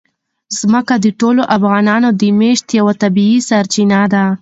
ځمکه د ټولو افغانانو د معیشت یوه طبیعي سرچینه ده.